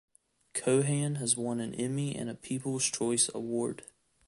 Kohan has won an Emmy and a People's Choice Award.